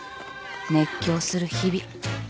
熱狂する日々。